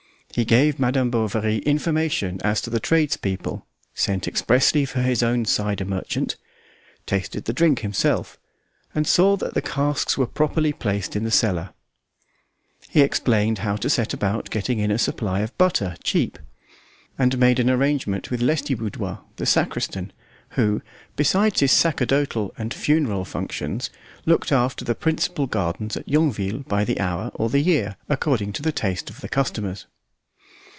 He gave Madame Bovary information as to the trades people, sent expressly for his own cider merchant, tasted the drink himself, and saw that the casks were properly placed in the cellar; he explained how to set about getting in a supply of butter cheap, and made an arrangement with Lestiboudois, the sacristan, who, besides his sacerdotal and funeral functions, looked after the principal gardens at Yonville by the hour or the year, according to the taste of the customers.